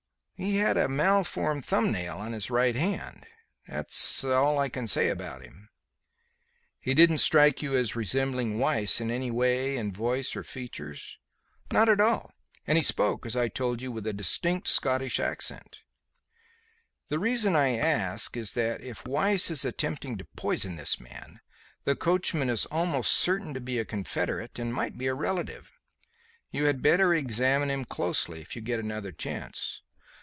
"He had a malformed thumb nail on his right hand. That is all I can say about him." "He didn't strike you as resembling Weiss in any way; in voice or features?" "Not at all; and he spoke, as I told you, with a distinct Scotch accent." "The reason I ask is that if Weiss is attempting to poison this man, the coachman is almost certain to be a confederate and might be a relative. You had better examine him closely if you get another chance."